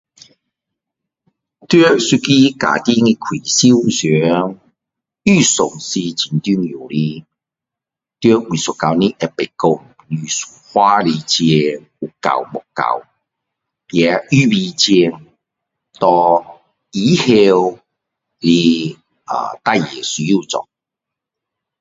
在一个家庭的开销上预算是很重要的在每一个月要懂的说你花的钱会够吗也预备钱给以后来啊事情需要做